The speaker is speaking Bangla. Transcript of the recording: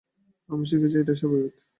আমি শিখেছি, এটাই স্বাভাবিক।